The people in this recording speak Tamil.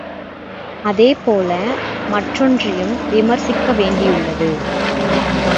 அதே போல மற்றொன்றையும் விமரிசிக்க வேண்டியுள்ளது.